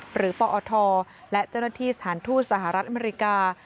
ปอทและเจ้าหน้าที่สถานทูตสหรัฐอเมริกา